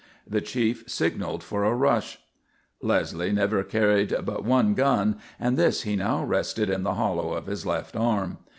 The chief signaled for a rush. Leslie never carried but one gun, and this he now rested in the hollow of his left arm.